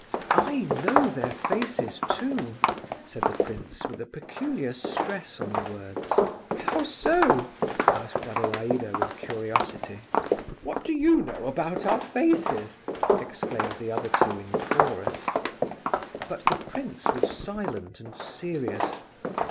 "I know their faces, too," said the prince, with a peculiar stress on the words. "How so?" asked Adelaida, with curiosity. "What do you know about our faces?" exclaimed the other two, in chorus. But the prince was silent and serious.